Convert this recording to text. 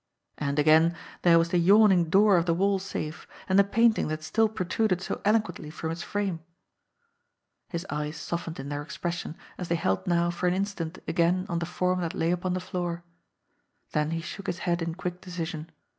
And, again, there was the yawning door of the wall safe, and the painting that still protruded so elo quently from its frame ! His eyes softened in their expression as they held now for an instant again on the form that lay upon the floor. Then he shook his head in quick decision.